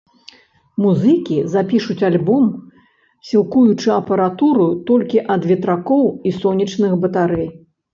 Музыкі запішуць альбом, сілкуючы апаратуру толькі ад ветракоў і сонечных батарэй.